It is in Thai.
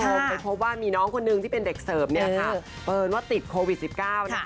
ไปพบว่ามีน้องคนนึงที่เป็นเด็กเสิร์ฟเปิดว่าติดโควิด๑๙